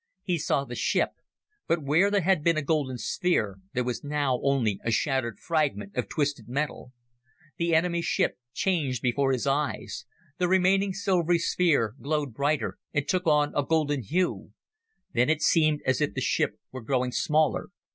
He saw the ship, but where there had been a golden sphere there was now only a shattered fragment of twisted metal. The enemy ship changed before his eyes. The remaining silvery sphere glowed brighter, and took on a golden hue. Then it seemed as if the ship were growing smaller.